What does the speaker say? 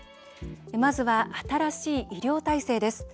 まずは新しい医療体制です。